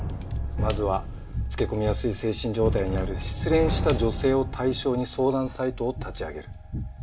まずはつけ込みやすい精神状態にある失恋した女性を対象に相談サイトを立ち上げる。